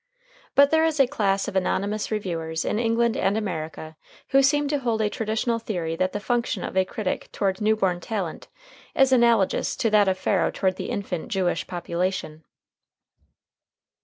But there is a class of anonymous reviewers in England and America who seem to hold a traditional theory that the function of a critic toward new born talent is analogous to that of Pharaoh toward the infant Jewish population.